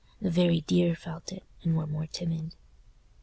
The very deer felt it, and were more timid.